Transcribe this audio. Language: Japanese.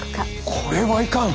これはいかん！